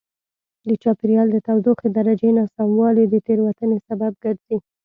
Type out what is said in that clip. د چاپېریال د تودوخې درجې ناسموالی د تېروتنې سبب ګرځي.